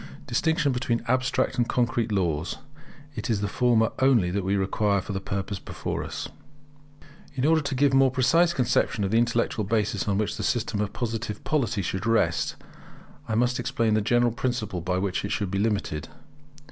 [Distinction between Abstract and Concrete laws. It is the former only that we require for the purpose before us] In order to give a more precise conception of the intellectual basis on which the system of Positive Polity should rest, I must explain the general principle by which it should be limited.